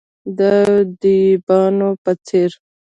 د دیبانو په څیر،